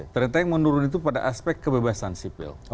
ternyata yang menurun itu pada aspek kebebasan sipil